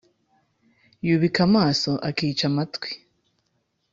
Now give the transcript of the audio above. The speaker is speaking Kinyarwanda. yubika amaso, akica amatwi,